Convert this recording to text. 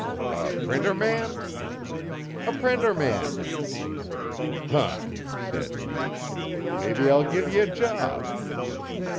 'A printer man?' 'A printer man.' 'Huh!' said he. 'Mebbe I'll give ye a job.